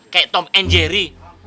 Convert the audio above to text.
kayak tom and jerry